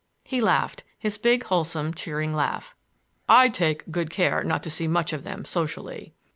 He laughed,—his big wholesome cheering laugh. "I take good care not to see much of them socially."